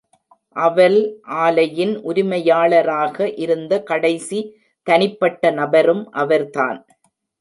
அவல் ஆலையின் உரிமையாளராக இருந்த கடைசி தனிப்பட்ட நபரும் அவர் தான்.